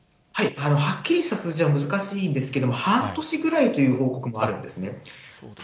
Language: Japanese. はっきりした数字は難しいんですけれども、半年ぐらいという報告もあるんですね。